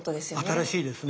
新しいですね。